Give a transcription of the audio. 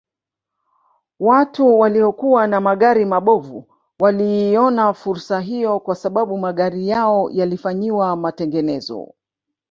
Watu waliokuwa na magari mabovu waliiona fursa hiyo kwa sababu magari yao yalifanyiwa matengenezo